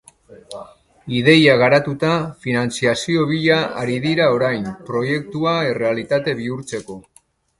Ideia garatuta, finantziazio bila ari dira orain, proiektua errealitate bihurtzeko.